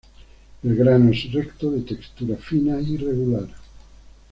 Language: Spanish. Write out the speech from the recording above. El grano es recto, de textura fina y regular.